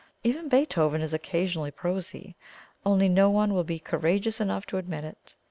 Even Beethoven is occasionally prosy, only no one will be courageous enough to admit it.